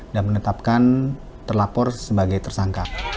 dan menetapkan terlapor sebagai tersangka